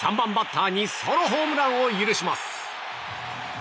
３番バッターにソロホームランを許します。